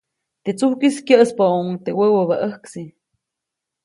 Teʼ tsujkʼis kyäʼspäʼuʼuŋ teʼ wäwäbä ʼäjksi.